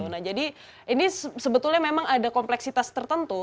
nah jadi ini sebetulnya memang ada kompleksitas tertentu